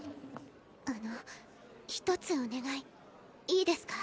あの一つお願いいいですか？